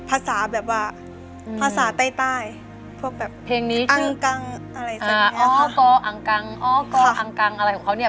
เพลงนี้